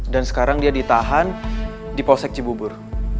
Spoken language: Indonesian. dan sekarang dia ditahan di polsek cibubur